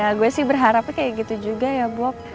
ya gue sih berharapnya kayak gitu juga ya bok